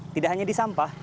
tidak hanya di sampah